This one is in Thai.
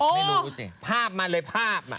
ไม่รู้สิภาพมาเลยภาพมา